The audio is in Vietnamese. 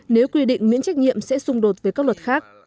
nếu quy định miễn trách nhiệm sẽ xung đột với các luật khác